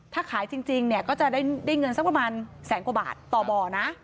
ถ้าขายจริงเนี่ยก็จะได้เงินสักประมาณแสนกว่าบาทต่อบ่อนะ